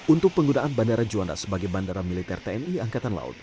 untuk penggunaan bandara juanda sebagai bandara militer tni angkatan laut